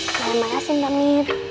terima kasih mbak mir